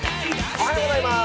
おはようございます。